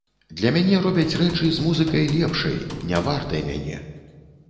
Для мяне робяць рэчы, з музыкай лепшай, не вартай мяне.